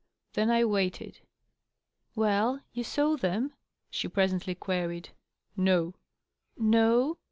Then I waited. " Well, you saw them ?" she presently queried. "No." " No